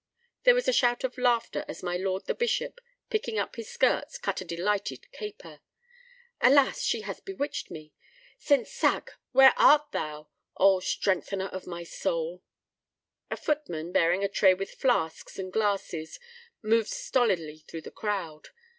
There was a shout of laughter as my lord the bishop, picking up his skirts, cut a delighted caper. "Alas, she has bewitched me! St. Sack, where art thou—oh, strengthener of my soul?" A footman bearing a tray with flasks and glasses moved stolidly through the crowd.